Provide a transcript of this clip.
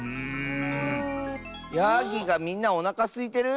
やぎがみんなおなかすいてる？